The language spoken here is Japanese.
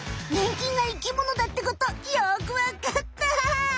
ねん菌が生きものだってことよくわかった！